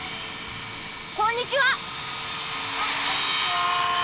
こんにちは！